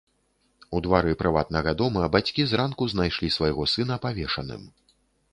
У двары прыватнага дома бацькі зранку знайшлі свайго сына павешаным.